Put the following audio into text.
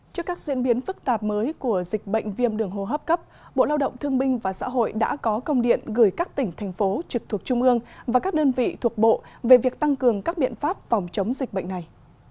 trước các diễn biến phức tạp mới của dịch bệnh viêm đường hô hấp cấp bộ lao động thương minh và xã hội đã có công điện gửi các tỉnh thành phố trực thuộc trung ương và các đơn vị thuộc bộ về việc tăng cường các biện pháp phòng chống dịch bệnh này